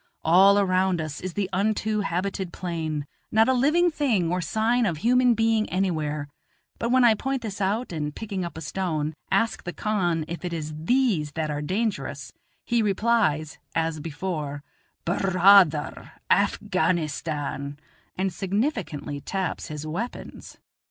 All around us is the unto habited plain; not a living thing or sign of human being anywhere; but when I point this out, and picking up a stone, ask the khan if it is these that are dangerous, he replies, as before: "Bur raa ther, Afghanistan," and significantly taps his weapons.